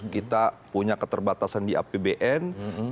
kita punya keterbatasan di apbn